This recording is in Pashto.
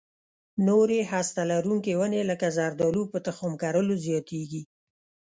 نورې هسته لرونکې ونې لکه زردالو په تخم کرلو زیاتېږي.